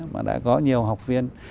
mà đã có nhiều học viên